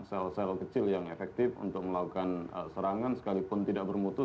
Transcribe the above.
sel sel kecil yang efektif untuk melakukan serangan sekalipun tidak bermutu